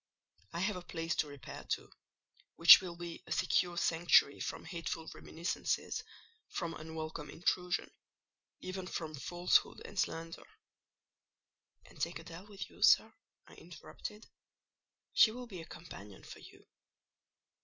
I have a place to repair to, which will be a secure sanctuary from hateful reminiscences, from unwelcome intrusion—even from falsehood and slander." "And take Adèle with you, sir," I interrupted; "she will be a companion for you."